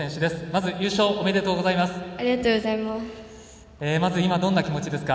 まず優勝おめでとうございます。